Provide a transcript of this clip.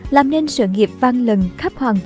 làm nên sự nghiệp văn lần khắp hoàng vũ